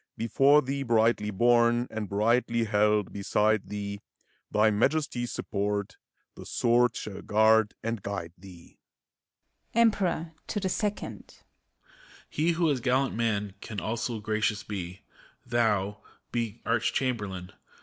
Before thee brightly borne, and brightly held beside thee, ACT IV, 217 Thy Majesty's support, the sword shall guard and guide thee ! EMPEROR (to the Second). He who as gallant man can also gracious be, Thou, — be Arch Chamberlain!